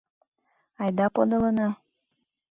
Айда подылына.